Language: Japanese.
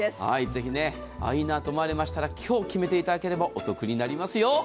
ぜひいいなと思われましたら今日決めていただければお得になりますよ。